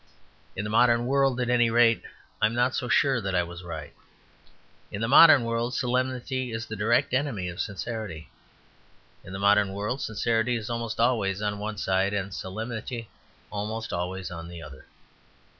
In the modern world, at any rate, I am not so sure that I was right. In the modern world solemnity is the direct enemy of sincerity. In the modern world sincerity is almost always on one side, and solemnity almost always on the other.